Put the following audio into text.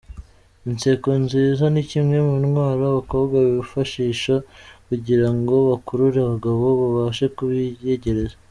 Inseko nziza ni kimwe mu ntwaro abakobwa bifashisha kugirango bakurure abagabo babashe kubiyegereza.